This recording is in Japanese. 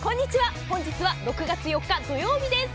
本日は６月４日土曜日です。